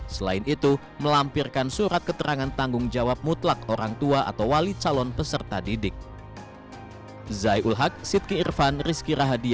selain itu melampirkan surat keterangan tanggung jawab mutlak orang tua atau wali calon peserta didik